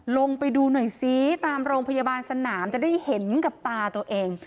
ลงไปดูหน่อยซิตามโรงพยาบาลสนามจะได้เห็นกับตาตัวเอง